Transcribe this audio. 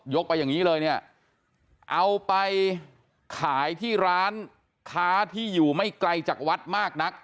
ไปอย่างนี้เลยเนี่ยเอาไปขายที่ร้านค้าที่อยู่ไม่ไกลจากวัดมากนัก